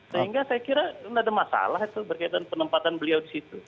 sehingga saya kira tidak ada masalah itu berkaitan penempatan beliau di situ